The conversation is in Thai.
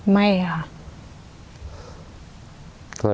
ไม่ค่ะ